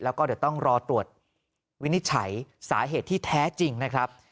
แล้วก็เดี๋ยวต้องรอตรวจวินิจฉัยสาเหตุที่แท้จริงนะครับ